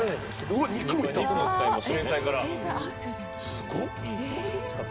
すごっ。